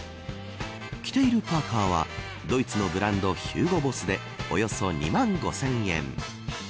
着ているパーカーはドイツのブランドヒューゴボスでおよそ２万５０００円。